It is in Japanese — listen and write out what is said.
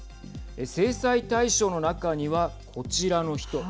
制裁対象の中には、こちらの人。